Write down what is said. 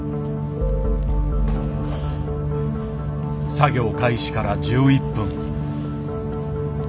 作業開始から１１分。